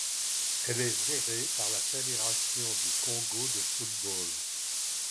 Elle est gérée par la Fédération du Congo de football.